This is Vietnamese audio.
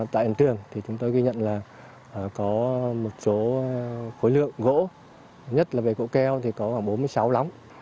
tại hiện trường thì chúng tôi ghi nhận là có một số khối lượng gỗ nhất là về gỗ keo thì có khoảng bốn mươi sáu lóng